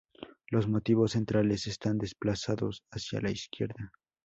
Los motivos centrales están desplazados hacia la izquierda.